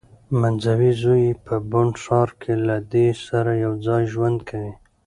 منځوی زوی یې په بن ښار کې له دې سره یوځای ژوند کوي.